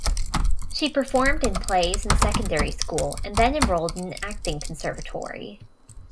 She performed in plays in secondary school and then enrolled in an acting conservatory.